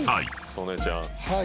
曽根ちゃん。